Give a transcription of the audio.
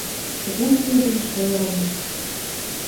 Цяпер не ведалі, што і рабіць.